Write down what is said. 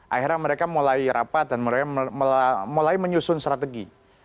akhirnya mereka mulai rapat dan mulai menyusun strategi